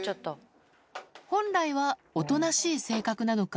本来はおとなしい性格なのか？